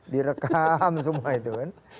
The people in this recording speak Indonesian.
direkam semua itu kan